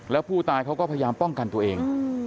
แล้วผู้ตายเขาก็พยายามป้องกันตัวเอง